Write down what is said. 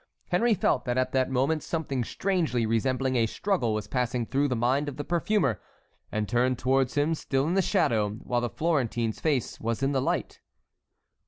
Henry felt that at that moment something strangely resembling a struggle was passing through the mind of the perfumer, and turned towards him, still in the shadow, while the Florentine's face was in the light.